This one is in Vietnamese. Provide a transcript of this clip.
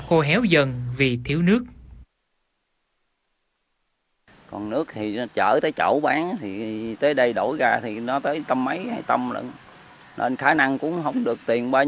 khô héo dần vì thiếu nước